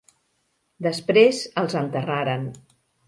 Després els enterraren.